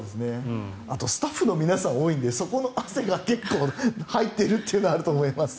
あとスタッフの皆さんが多いのでそこの汗が結構入ってるというのはあると思います。